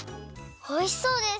おいしそうです。